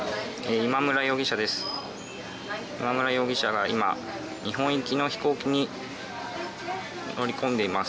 今村容疑者が今、日本行きの飛行機に乗り込んでいます。